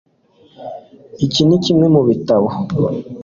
Iki nikimwe mubitabo